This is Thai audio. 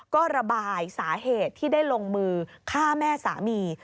ก็ระบายสาเหตุที่ได้ลงมือฆ่าแม่สามี